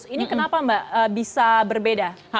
ini kenapa mbak bisa berbeda